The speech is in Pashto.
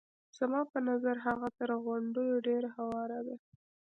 زما په نظر هغه تر غونډیو ډېره هواره ده.